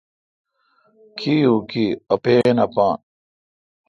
کی او کی۔ اپین اپان